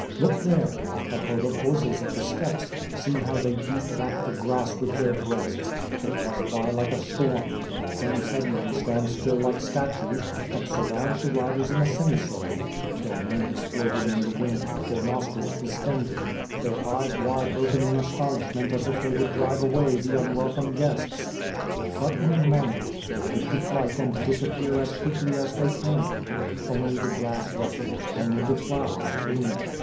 liook there! a herd of horses of the steppes; see how they beat back the grass with their breasts! they rush by like a storm; and then suddenly stand still like statues, and sur round the riders in a semicircle; their manes floating in the wind, their nostrils distended; their eyes wide open in aston ishment as if they would drive away the unwelcome guests. But in a moment — they take to flight and disappear as quickly as they came. Only the grass rustles, only the flowers gleam!